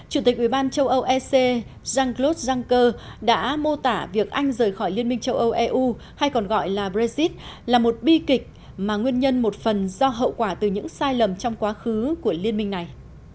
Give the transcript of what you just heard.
chủ tịch ubnd châu âu ec jean claude juncker đã mô tả việc anh rời khỏi liên minh châu âu eu hay còn gọi là brexit là một bi kịch mà nguyên nhân một phần do hậu quả từ những sai lầm trong quá khứ của liên minh này